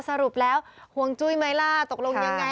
สรุปแล้วห่วงจุ้ยไหมล่ะตกลงยังไง